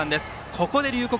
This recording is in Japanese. ここで龍谷